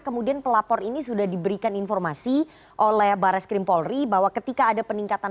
kemudian pelapor ini sudah diberikan informasi oleh barres krim polri bahwa ketika ada peningkatan